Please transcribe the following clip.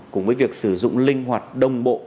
cùng với việc sử dụng linh hoạt đồng bộ